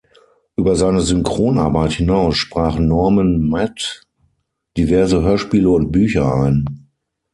Über seine Synchronarbeit hinaus sprach Norman Matt diverse Hörspiele und -bücher ein.